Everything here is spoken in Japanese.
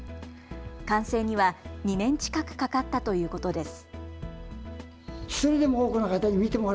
完成には２年近くかかったということです。